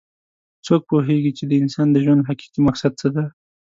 څوک پوهیږي چې د انسان د ژوند حقیقي مقصد څه ده